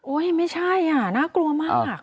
ไม่ใช่อ่ะน่ากลัวมาก